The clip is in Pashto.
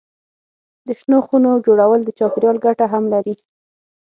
د شنو خونو جوړول د چاپېریال ګټه هم لري.